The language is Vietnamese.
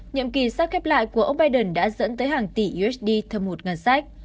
nhiệm kỳ sắp khép lại của ông biden đã dẫn tới hàng tỷ usd thâm hụt ngân sách